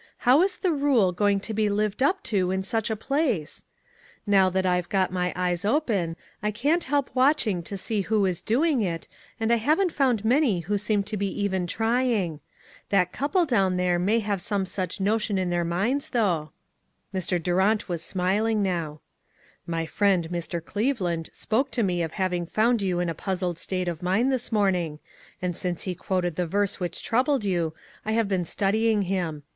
How is the rule going to be lived up to in such a place? Now that I've got my eyes open, I can't help watching to see who is doing it, and I haven't found many who seem to be even trying. That couple down there may have some such notion in their minds, though." 92 ONE COMMONPLACE DAY. Mr. Durant was smiling now. " My friend, Mr. Cleveland, spoke to me of having found you in a puzzled state of mind this morning, and since he quoted the verse which troubled you, I have been studying him.